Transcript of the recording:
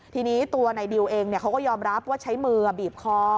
ทีนี้ตัวนายดิวเองเขาก็ยอมรับว่าใช้มือบีบคอ